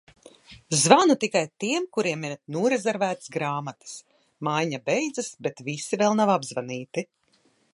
Zvanu tikai tiem, kuriem ir norezervētas grāmatas. Maiņa beidzas, bet visi vēl nav apzvanīti.